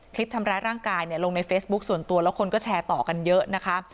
ทำร้ายร่างกายเนี่ยลงในเฟซบุ๊คส่วนตัวแล้วคนก็แชร์ต่อกันเยอะนะคะ